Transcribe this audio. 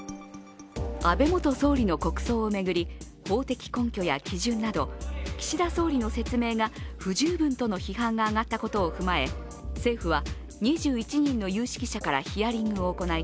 安倍元総理の国葬を巡り法的根拠や基準など岸田総理の説明が不十分との批判が上がったことを踏まえ政府は２１人の有識者からヒアリングを行い